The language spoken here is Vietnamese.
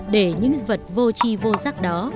để những vật vô chi vô giác đó